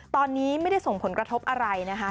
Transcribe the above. ตอนนี้ไม่ได้ส่งผลกระทบอะไรนะคะ